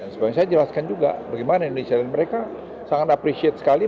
supaya saya jelaskan juga bagaimana indonesia dan mereka sangat appreciate sekali